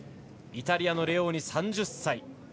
イタリアのレオーニ、３０歳。